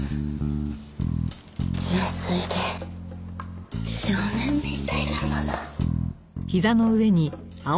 純粋で少年みたいだもの。